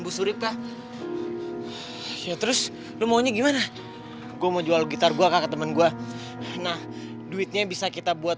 busurit ya terus lu maunya gimana gua mau jual gitar gua ke temen gua nah duitnya bisa kita buat